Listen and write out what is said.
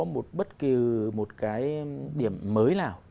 một bất kỳ một cái điểm mới nào